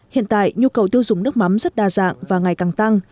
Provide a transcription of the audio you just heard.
hiện tại nhu cầu tiêu dùng nước mắm rất đa dạng và ngày càng tăng